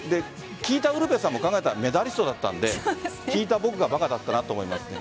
聞いたウルヴェさんも考えたらメダリストだったので聞いた僕が馬鹿だったなと思います。